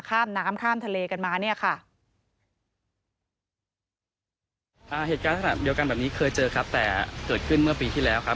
ข้ามน้ำข้ามทะเลกันมาเนี่ยค่ะ